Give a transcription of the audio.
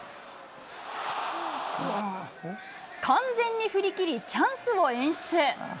完全に振り切り、チャンスを演出。